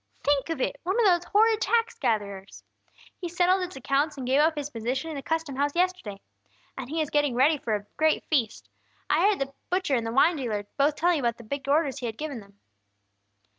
Think of it! One of those horrid tax gatherers! He settled his accounts and gave up his position in the custom house yesterday. And he is getting ready for a great feast. I heard the butcher and the wine dealer both telling about the big orders he had given them.